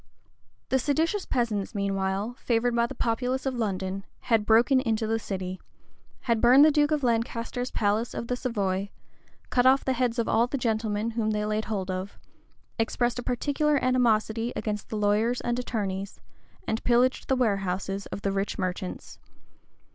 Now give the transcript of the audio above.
The seditious peasants, meanwhile, favored by the populace of London, had broken into the city; had burned the duke of Lancaster's palace of the Savoy; cut off the heads of all the gentlemen whom they laid hold of; expressed a particular animosity against the lawyers and attorneys; and pillaged the warehouses of the rich merchants.